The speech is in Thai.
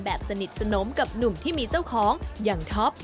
สนิทสนมกับหนุ่มที่มีเจ้าของอย่างท็อป